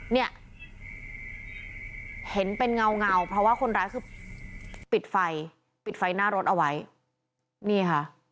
เนี่ยเห็นเป็นเงาเงาเพราะว่าคนร้ายคือปิดไฟปิดไฟหน้ารถเอาไว้นี่ค่ะ